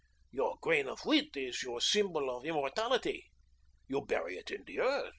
Your grain of wheat is your symbol of immortality. You bury it in the earth.